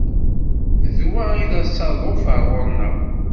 D wa i d asaḍuf ar ɣur-neɣ.